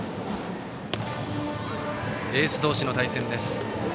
エース同士の対戦です。